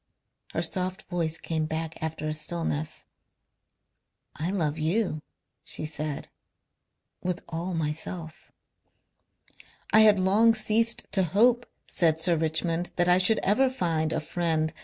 Her soft voice came back after a stillness. "I love you," she said, "with all myself." "I had long ceased to hope," said Sir Richmond, "that I should ever find a friend...